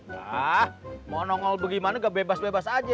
wah mau nongol bagaimana gak bebas bebas aja